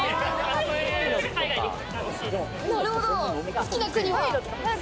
好きな国は？